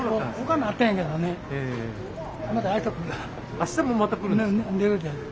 明日もまた来るんですか？